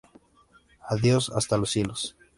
Adiós ¡hasta los cielos!